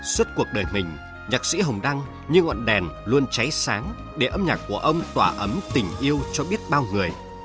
suốt cuộc đời mình nhạc sĩ hồng đăng như ngọn đèn luôn cháy sáng để âm nhạc của ông tỏa ấm tình yêu cho biết bao người